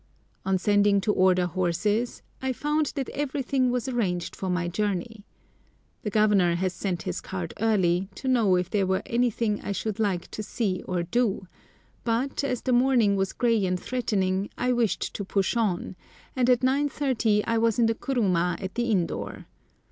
On sending to order horses I found that everything was arranged for my journey. The Governor sent his card early, to know if there were anything I should like to see or do, but, as the morning was grey and threatening, I wished to push on, and at 9.30 I was in the kuruma at the inn door.